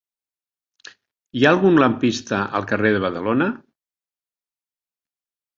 Hi ha algun lampista al carrer de Badalona?